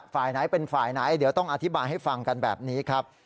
ฝ่ายไหนเป็นฝ่ายไหนเดี๋ยวต้องอธิบายให้ฟังกันแบบนี้ครับ